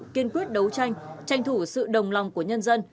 kiên quyết đấu tranh tranh thủ sự đồng lòng của nhân dân